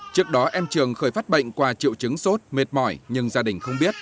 trước đó em trường khởi phát bệnh qua triệu chứng sốt mệt mỏi nhưng gia đình không biết